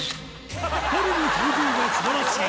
２人の表情が素晴らしい